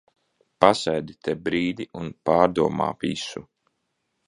Pasēdi te brīdi un pārdomā visu.